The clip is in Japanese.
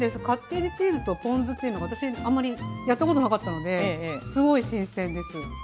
カッテージチーズとポン酢っていうのが私あんまりやったことなかったのですごい新鮮です。